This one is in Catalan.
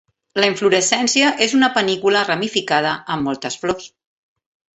La inflorescència és una panícula ramificada amb moltes flors.